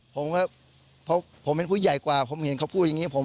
ผมก็เพราะผมเป็นผู้ใหญ่กว่าผมเห็นเขาพูดอย่างนี้